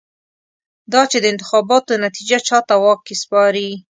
دا چې د انتخاباتو نتېجه چا ته واک سپاري.